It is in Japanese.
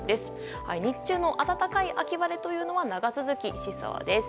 日中の暖かい秋晴れは長続きしそうです。